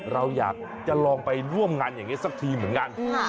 เราอยากจะลองไปร่วมงานอย่างนี้สักทีเหมือนกัน